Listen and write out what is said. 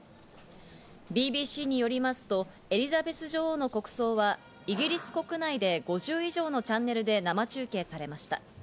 ＢＢＣによりますと、エリザベス女王の国葬は、イギリス国内で５０以上のチャンネルで生中継されました。